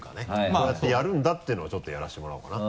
こうやってやるんだっていうのをちょっとやらせてもらおうかな。